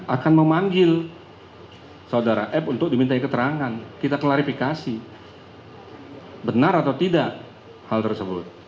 akan memanggil saudara f untuk dimintai keterangan kita klarifikasi benar atau tidak hal tersebut